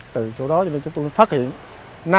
từ chỗ đó chúng tôi đã phát hiện